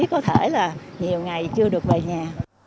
có thể là nhiều ngày chưa được về nhà